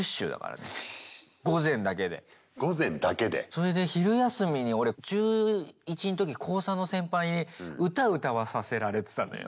それで昼休みに俺中１んとき高３の先輩に歌歌わさせられてたのよ。